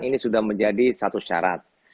ini sudah menjadi satu syarat